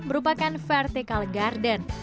merupakan vertical garden